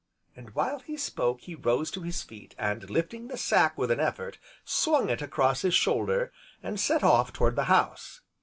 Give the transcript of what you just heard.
And, while he spoke, he rose to his feet, and lifting the sack with an effort, swung it across his shoulder, and set off toward the house.